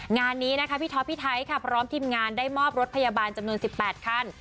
งานนี้นะคะพี่ท็อปพี่ไทยค่ะพร้อมทีมงานได้มอบรถพยาบาลจำนวน๑๘คัน